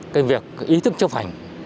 cái việc ý thức chấp hành